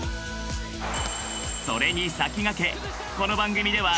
［それに先駆けこの番組では］